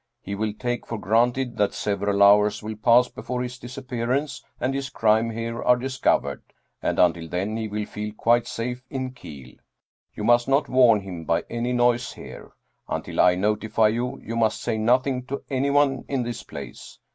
He will take for granted that several hours will pass before his disappearance and his crime here 31 German Mystery Stories are discovered, and until then he will feel quite safe in Kiel. You must not warn him by any noise here. Until I notify you, you must say nothing to anyone in this place.